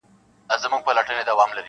• له پروازه وه لوېدلي شهپرونه -